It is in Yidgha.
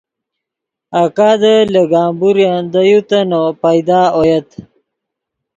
آکادے لے گمبورین دے یو تنّو پیدا اویت